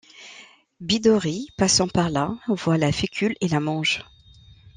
Bidori, passant par là, voit la fécule et la mange.